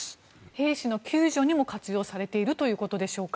兵士の救助にも活用されているということでしょうか？